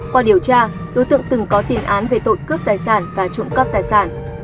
qua điều tra đối tượng từng có tiền án về tội cướp tài sản và trộm cắp tài sản